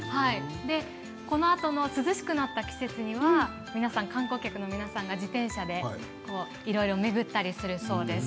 このあとも涼しくなった季節には観光客の皆さんが自転車でいろいろ巡ったりするそうです。